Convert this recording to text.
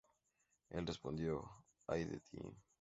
Él respondió: "¡Ay de ti!